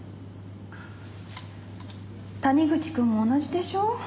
谷口くんも同じでしょ？